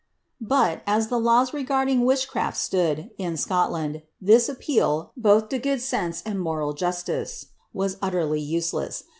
' But, as the laws regarding witchcraft stood, in Scotland, (his appeal, both lo good sense and mural justice, was utterly useless.